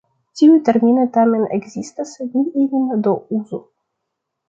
Tiuj terminoj tamen ekzistas, ni ilin do uzu.